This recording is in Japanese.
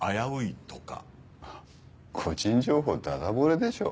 個人情報だだ漏れでしょ。